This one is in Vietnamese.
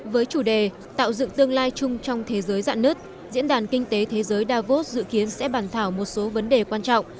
với chủ đề tạo dựng tương lai chung trong thế giới dạn nứt diễn đàn kinh tế thế giới davos dự kiến sẽ bàn thảo một số vấn đề quan trọng